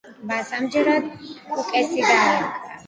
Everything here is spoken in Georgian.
მას ამჯერად „კუკესი“ დაერქვა.